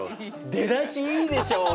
出だしいいでしょう俺。